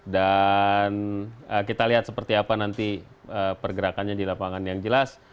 dan kita lihat seperti apa nanti pergerakannya di lapangan yang jelas